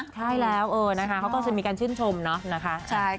ใช่แล้วนะคะเขาก็จะมีการชื่นชมเนาะนะคะ